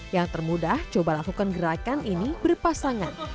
yang termudah coba lakukan gerakan ini berpasangan